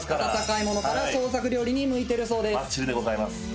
温かいものから創作料理に向いてるそうです。